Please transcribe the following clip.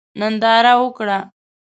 ننداره وکړه.